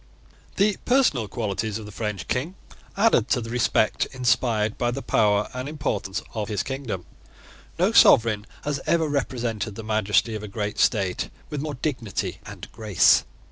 The personal qualities of the French King added to the respect inspired by the power and importance of his kingdom. No sovereign has ever represented the majesty of a great state with more dignity and grace.